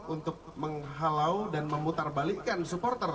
untuk menghalau dan memutarbalikan supporter